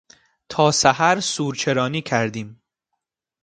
تا سحر سورچرانی کردیم.